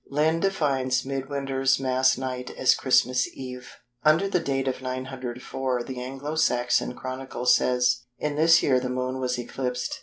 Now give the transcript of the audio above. Lynn defines "Mid winter's Mass night" as Christmas Eve. Under the date of 904 the Anglo Saxon Chronicle says:—"In this year the Moon was eclipsed."